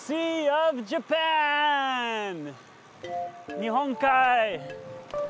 日本海！